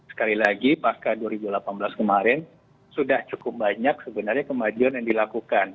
sekali lagi pasca dua ribu delapan belas kemarin sudah cukup banyak sebenarnya kemajuan yang dilakukan